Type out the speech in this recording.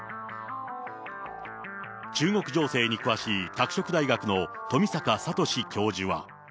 中国情勢に詳しい拓殖大学の富坂聰教授は。